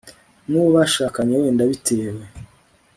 n'uwo bashakanye wenda bitewe